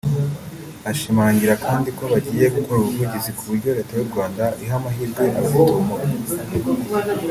Ashimangira kandi ko bagiye gukora ubuvugizi ku buryo Leta y’u Rwanda iha amahirwe abafite ubumuga